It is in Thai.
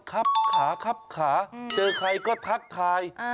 ครับขาครับขาเจอใครก็ทักทาย